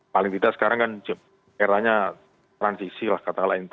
paling tidak sekarang kan eranya transisi lah kata lain